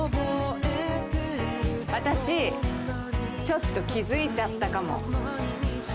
私ちょっと気付いちゃったかも。